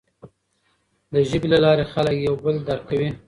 د ژبې له لارې خلک یو بل درک کوي.